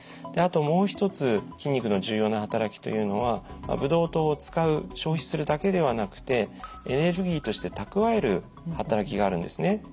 であともう一つ筋肉の重要な働きというのはブドウ糖を使う消費するだけではなくてエネルギーとして蓄える働きがあるんですね。